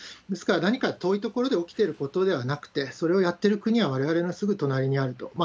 ですから何か遠い所で起きていることではなくて、それをやってる国はわれわれのすぐ隣にあると。